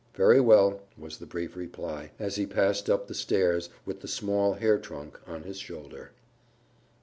"Very well," was the brief reply, as he passed up the stairs with the small hair trunk on his shoulder.